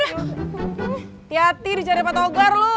hati hati dicari pak togar loh